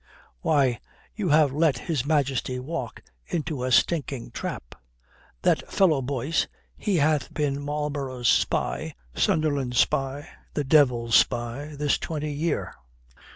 "'Why, you have let His Majesty walk into a stinking trap. That fellow Boyce, he hath been Marlborough's spy, Sunderland's spy, the devil's spy this twenty year.'